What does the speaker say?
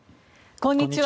こんにちは。